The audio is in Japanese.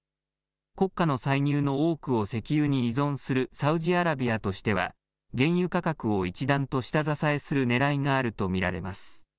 国家の歳入の多くを石油に依存するサウジアラビアとしては、原油価格を一段と下支えするねらいがあると見られます。